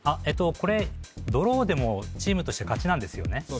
えとこれドローでもチームとして勝ちなんですよね